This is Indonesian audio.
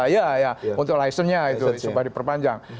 ya ya untuk licensenya itu coba diperpanjang